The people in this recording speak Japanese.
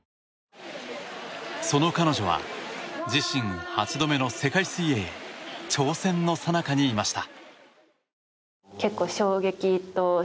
その彼女は自身８度目の世界水泳挑戦のさなかにいました。